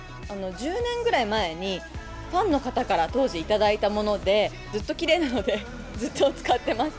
１０年ぐらい前に、ファンの方から当時、頂いたもので、ずっときれいなので、ずっと使ってます。